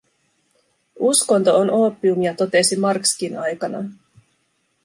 Uskonto on oopiumia, totesi Marxkin aikanaan.